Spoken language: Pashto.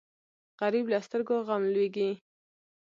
غریب له سترګو غم لوېږي